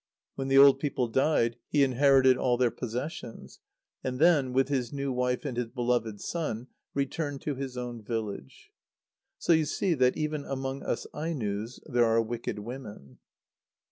When the old people died, he inherited all their possessions; and then, with his new wife and his beloved son, returned to his own village. So you see that, even among us Ainos, there are wicked women.